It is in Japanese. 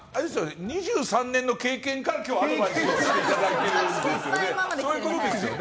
２３年の経験から今日、アドバイスしていただいてるんですよね。